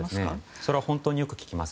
それは本当によく聞きます。